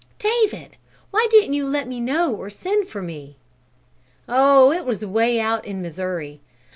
"David! Why didn't you let me know, or send for me?" "Oh, it was way out in Missouri.